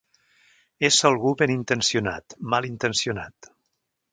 Ésser algú ben intencionat, mal intencionat.